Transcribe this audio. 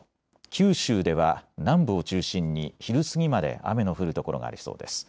九州では南部を中心に昼過ぎまで雨の降る所がありそうです。